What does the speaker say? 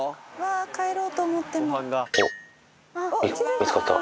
帰ろうと思っても。